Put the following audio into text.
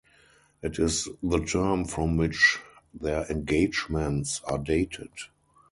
It is the term from which their engagements are dated.